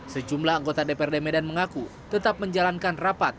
sejumlah anggota dprd medan mengaku tetap menjalankan rapat